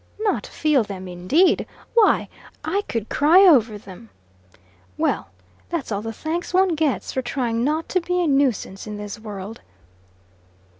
Not feel them, indeed! Why, I could cry over them. Well! that's all the thanks one gets for trying not to be a nuisance in this world.